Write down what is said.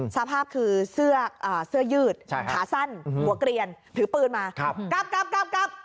สภาพคือเสื้อยืดขาสั้นหัวเกลียนถือปืนมากลับกลับ